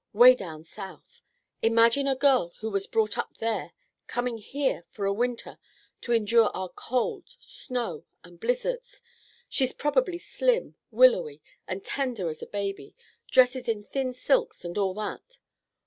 "Way down south. Imagine a girl who was brought up down there coming here for a winter to endure our cold, snow, and blizzards. She's probably slim, willowy, and tender as a baby; dresses in thin silks, and all that.